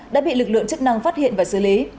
đã bị lực lượng chức năng phát hiện và xử lý